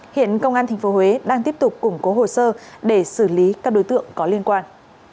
hiện công an tp huế đang tiếp tục củng cố hồ sơ để xử lý các đối tượng có liên quan